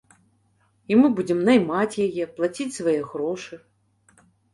І мы будзем наймаць яе, плаціць свае грошы.